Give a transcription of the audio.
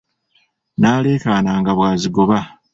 Naalekaana nga bwazigoba .